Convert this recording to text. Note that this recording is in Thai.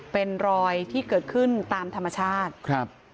เป็นรอยที่เกิดขึ้นตามธรรมชาติครับ